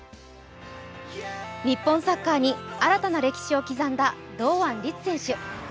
日本サッカーに新たな歴史を刻んだ堂安律選手。